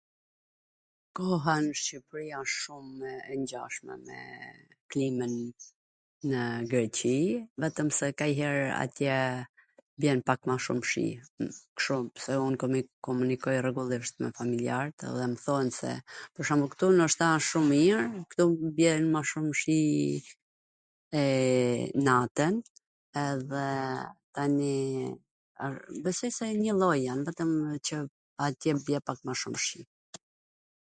Koha nw Shqipri wsht shum e ngjashme me klimwn nw Greqi, vetwmse kanjher atje bjen pak ma shum shi, kshu, se un komunikoj rregullisht me familjen lart edhe mw thon se, pwr shwmbull, ktu noshta wsht shum mir, ktu bjen ma shum shi e... natwn, edhe tani... besoj se njwlloj jan, vetwm qw atje bie pak ma shum shi...